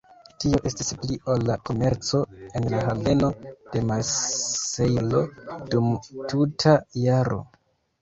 Tio estis pli ol la komerco en la haveno de Marsejlo dum tuta jaro.